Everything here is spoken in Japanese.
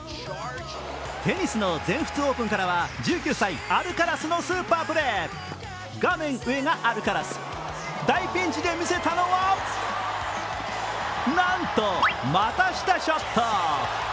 テニスの全仏オープンからは１９歳、アルカラスのスーパープレー画面上がアルカラス大ピンチで見せたのはなんと股下ショット。